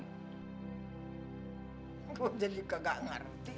gue jadi gak ngerti